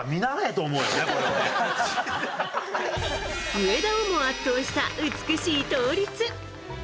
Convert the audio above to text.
上田をも圧倒した美しい倒立。